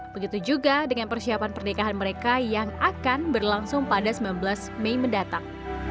begitu juga dengan persiapan pernikahan mereka yang akan berlangsung pada sembilan belas mei mendatang